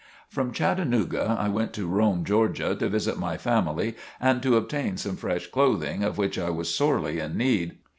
From Chattanooga I went to Rome, Georgia, to visit my family and to obtain some fresh clothing of which I was sorely in need.